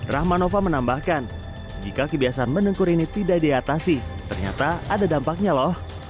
rahman nova menambahkan jika kebiasaan menengkur ini tidak diatasi ternyata ada dampaknya loh